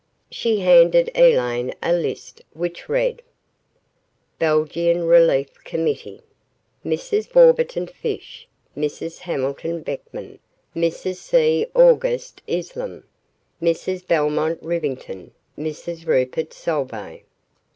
She handed Elaine a list which read: BELGIAN RELIEF COMMITTEE Mrs. Warburton Fish Mrs. Hamilton Beekman Mrs. C. August Iselm Mrs. Belmont Rivington Mrs. Rupert Solvay.